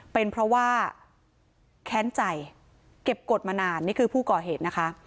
เป็นเพราะว่าแค้นใจเก็บกฎมานานนี่คือผู้ก่อเหตุนะคะ